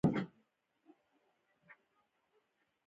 دا کارزارونه د پراخې نه همکارۍ له ډول څخه دي.